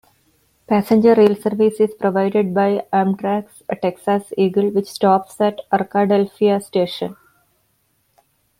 Passenger rail service is provided by Amtrak's Texas Eagle, which stops at Arkadelphia station.